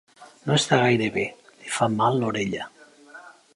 No està gaire bé: li fa mal l'orella.